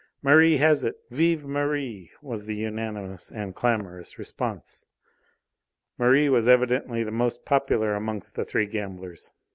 "Merri has it! Vive Merri!" was the unanimous and clamorous response. Merri was evidently the most popular amongst the three gamblers.